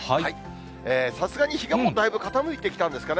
さすがに日がもうだいぶ傾いてきたんですね。